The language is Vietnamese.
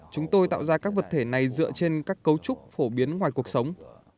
chúng tôi tạo ra các vật thể này dựa trên các cấu trúc phổ biến ngoài cuộc sống